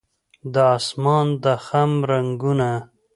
د اسمان د خم رنګونه